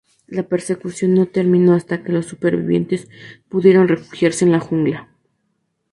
La persecución no terminó hasta que los supervivientes pudieron refugiarse en la jungla.